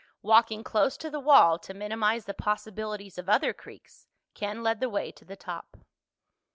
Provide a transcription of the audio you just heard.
Walking close to the wall, to minimize the possibility of other creaks, Ken led the way to the top.